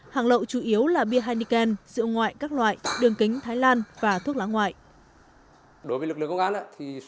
hàng lậu chủ yếu là bia heineken rượu ngoại các loại đường kính thái lan và thuốc lá ngoại